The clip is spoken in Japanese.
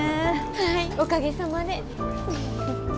はいおかげさまで。